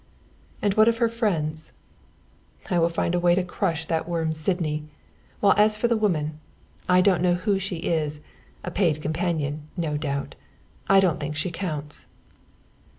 "And what of her friends?" "I'll find a way to crush that worm Sydney, while as for the woman I don't know who she is, a paid companion, no doubt I don't think she counts."